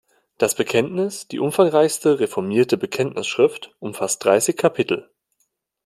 Das Bekenntnis, die umfangreichste reformierte Bekenntnisschrift, umfasst dreissig Kapitel.